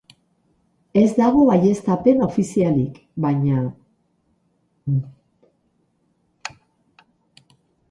Ez dago baieztapen ofizialik, baina.